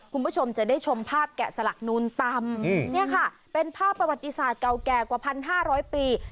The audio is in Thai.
คุณผู้ชมจะได้ชมภาพแกะสลักนูนตำเป็นภาพประวัติศาสตร์เก่าแก่กว่าพันห้าร้อยปี